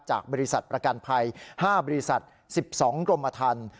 จากบริษัทประกันภัย๕บริษัท๑๒กรมทัน